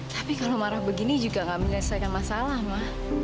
tapi kalau marah begini juga nggak menyelesaikan masalah mah